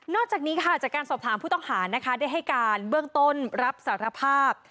จากนี้ค่ะจากการสอบถามผู้ต้องหานะคะได้ให้การเบื้องต้นรับสารภาพ